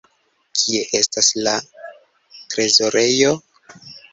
Kie estas la trezorejo?